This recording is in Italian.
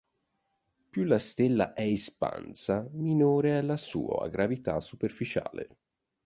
Più la stella è espansa, minore è la sua gravità superficiale.